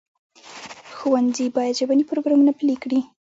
ښوونځي باید ژبني پروګرامونه پلي کړي.